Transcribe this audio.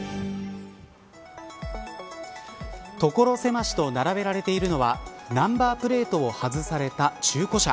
所狭しと並べられているのはナンバープレートを外された中古車。